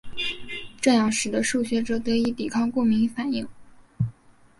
这样使得受血者得以抵抗过敏反应。